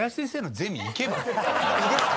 いいですか？